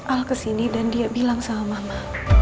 al kesini dan dia bilang sama mama